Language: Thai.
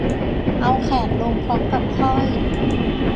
เอาแขนลงพร้อมกับค่อย